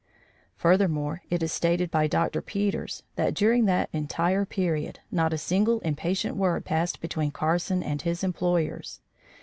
Furthermore, it is stated by Dr. Peters, that during that entire period, not a single impatient word passed between Carson and his employers.